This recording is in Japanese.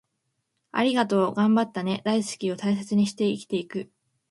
『ありがとう』、『頑張ったね』、『大好き』を大切にして生きていく